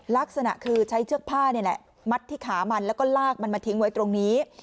ลักษณะคือใช้เชือกผ้านี่แหละมัดที่ขามันแล้วก็ลากมันมาทิ้งไว้ตรงนี้